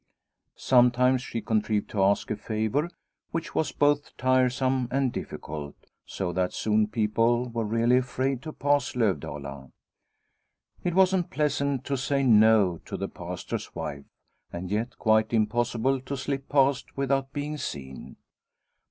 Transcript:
Sometimes she contrived to ask a favour which was both tiresome and difficult, so that soon people were really afraid to pass Lovdala. It wasn't pleasant to say "no" to the Pastor's wife, and yet quite impossible to slip past without being seen.